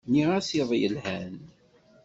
Nniɣ-as iḍ yelhan.